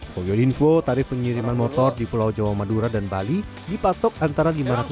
folioinfo tarif pengiriman motor di pulau jawa madura dan bali dipatok antara lima ratus